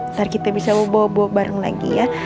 ntar kita bisa bawa bawa bareng lagi ya